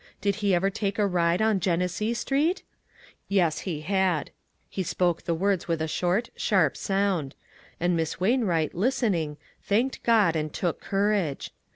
Did he ever take a ride on Genesee Street? Yes, he had. He spoke SILKEN COILS. 221 the words with a short, sharp sound; and Miss Wainwright, listening, thanked God and took courage.